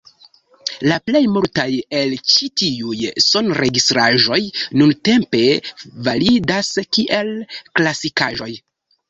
La plej multaj el ĉi tiuj sonregistraĵoj nuntempe validas kiel klasikaĵoj.